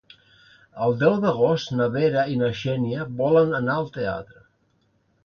El deu d'agost na Vera i na Xènia volen anar al teatre.